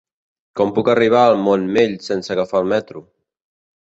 Com puc arribar al Montmell sense agafar el metro?